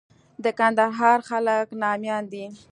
د کندهار خلک ناميان دي.